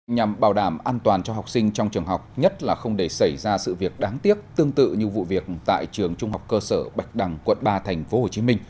nhằm bảo đảm an toàn cho học sinh trong trường học nhất là không để xảy ra sự việc đáng tiếc tương tự như vụ việc tại trường trung học cơ sở bạch đằng quận ba tp hcm